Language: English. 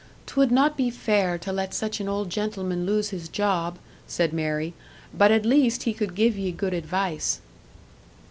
"'Twould not be fair to let such an old gentleman lose his job," said Mary. "But at least he could give ye good advice."